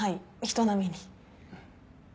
人並みに。